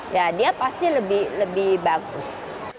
ya dia pasti lebih bagus